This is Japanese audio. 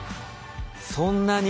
そんなに？